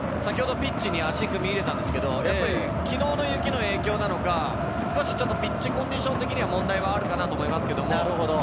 ピッチに足を踏み入れたんですけれど、昨日の雪の影響なのか、少しピッチコンディション的には問題があるかと思います。